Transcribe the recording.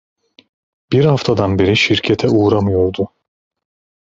Bir haftadan beri şirkete uğramıyordu.